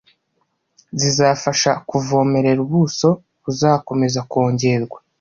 zizafasha kuvomerera ubuso buzakomeza kongerwa